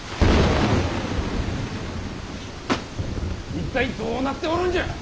一体どうなっておるんじゃ！